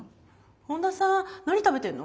本田さん何食べてんの？